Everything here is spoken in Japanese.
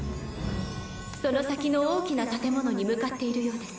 その先の大きな建物に向かっているようです。